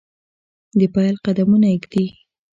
دپیل قدمونه ایږدي